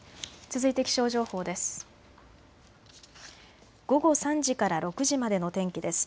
続いて気象情報です。